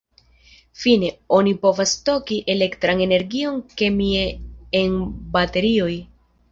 Fine, oni povas stoki elektran energion kemie en baterioj.